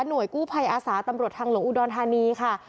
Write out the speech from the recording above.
กู้ภัยอาสาตำรวจทางหลวงอุดรธานีค่ะ